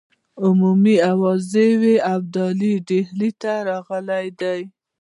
عمومي آوازه وه ابدالي ډهلي ته راغلی دی.